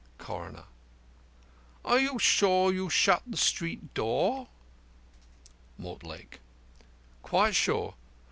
CORONER: Are you sure that you shut the street door? MORTLAKE: Quite sure.